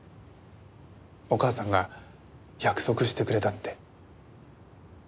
お母さんが約束してくれたって。